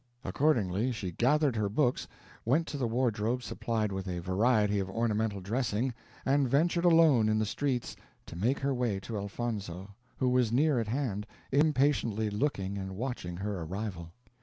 Accordingly she gathered her books, went the wardrobe supplied with a variety of ornamental dressing, and ventured alone in the streets to make her way to Elfonzo, who was near at hand, impatiently looking and watching her arrival.